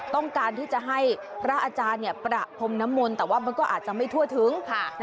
ต้องการที่จะให้พระอาจารย์ประพรมนมลแต่ว่ามันก็อาจจะไม่ทั่วถึง